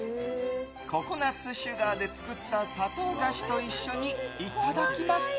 ココナツシュガーで作った砂糖菓子と一緒にいただきます。